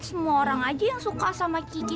semua orang aja yang suka sama cici